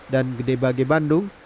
dan gede bage bandung